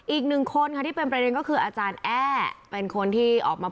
อีกหนึ่งคนค่ะที่เป็นประเด็นก็คืออาจารย์แอ้เป็นคนที่ออกมา